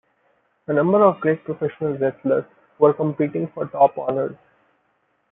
A number of great professional wrestlers were competing for top honors.